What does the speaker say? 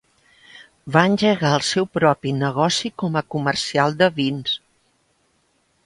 Va engegar el seu propi negoci com a comercial de vins.